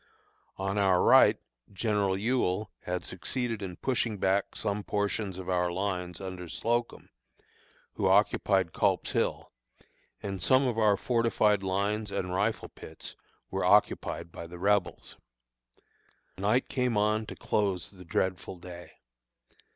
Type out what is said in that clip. On our right General Ewell had succeeded in pushing back some portions of our lines under Slocum, who occupied Culp's Hill, and some of our fortified lines and rifle pits were occupied by the Rebels. Night came on to close the dreadful day.